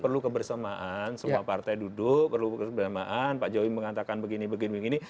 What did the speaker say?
perlu kebersamaan semua partai duduk perlu kebersamaan pak jokowi mengatakan begini begini